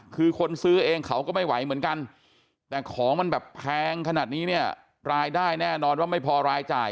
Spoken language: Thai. คือคนซื้อเองเขาก็ไม่ไหวเหมือนกันแต่ของมันแบบแพงขนาดนี้เนี่ยรายได้แน่นอนว่าไม่พอรายจ่าย